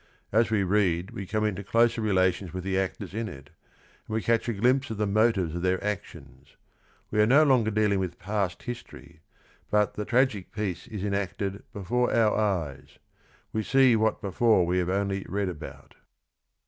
As we read we come into closer relations with the actors in it, and we catch a glimpse of the motives of their actions. We are no longer deal ing with past hisfory, but the "tragic piece" is enacted before our eyes. We see what before we have only read about.